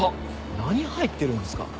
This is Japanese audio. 何入ってるんですか？